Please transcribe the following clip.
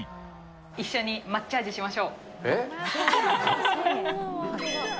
一緒にまっチャージしましょえっ？